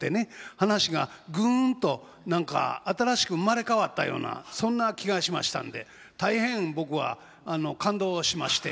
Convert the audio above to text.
噺がぐんと何か新しく生まれ変わったようなそんな気がしましたんで大変僕は感動しまして感心しました。